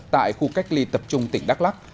tại khu cách ly tập trung tỉnh đắk lắc